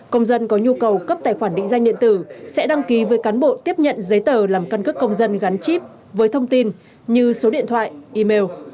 công dân có nhu cầu cấp tài khoản định danh điện tử sẽ đăng ký với cán bộ tiếp nhận giấy tờ làm căn cước công dân gắn chip với thông tin như số điện thoại email